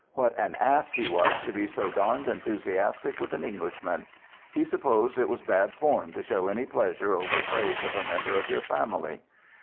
What an ass he was to be so darned enthusiastic with an Englishman! He supposed it was bad form to show any pleasure over praise of a member of your family.